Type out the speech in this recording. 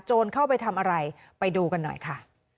เข้าไปทำอะไรไปดูกันหน่อยค่ะ